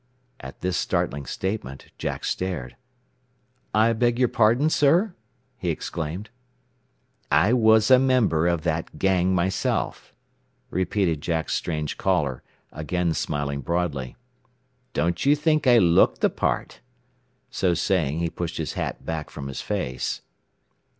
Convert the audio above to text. At this startling statement Jack stared. "I beg your pardon, sir?" he exclaimed. "I was a member of that gang myself," repeated Jack's strange caller, again smiling broadly. "Don't you think I look the part?" So saying, he pushed his hat back from his face.